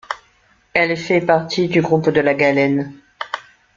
Elle fait partie du groupe de la galène.